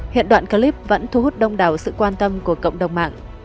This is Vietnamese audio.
hiện đoạn clip vẫn thu hút đông đảo sự quan tâm của cộng đồng mạng